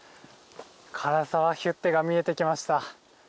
涸沢ヒュッテが見えてきました。